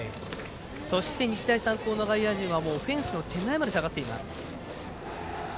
そして、日大三高の外野陣フェンスの手前まで下がっています。